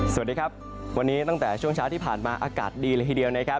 สวัสดีครับวันนี้ตั้งแต่ช่วงเช้าที่ผ่านมาอากาศดีเลยทีเดียวนะครับ